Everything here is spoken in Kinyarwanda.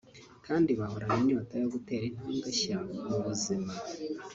kandi bahorana inyota yo gutera intambwe nshya mu buzima